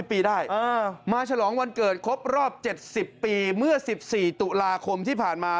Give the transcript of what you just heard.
ปีได้มาฉลองวันเกิดครบรอบ๗๐ปีเมื่อ๑๔ตุลาคมที่ผ่านมา